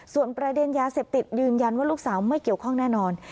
ส่วนประเด็นยาเสพติดยืนยันว่าลูกสาวไม่เกี่ยวข้องแน่นอน